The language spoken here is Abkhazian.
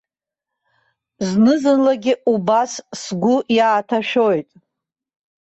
Зны-зынлагьы убас сгәы иааҭашәоит.